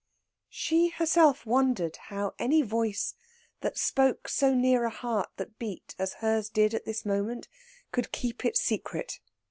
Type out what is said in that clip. She herself wondered how any voice that spoke so near a heart that beat as hers did at this moment could keep its secret.